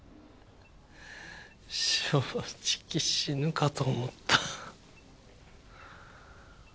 正直死ぬかと思った。